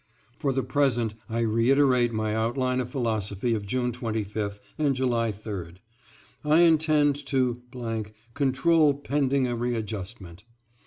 For the present I reiterate my outline of philosophy of June 25th and July 3d. I intend to .... control pending a readjustment.